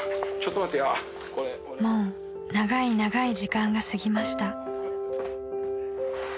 ［もう長い長い時間が過ぎました］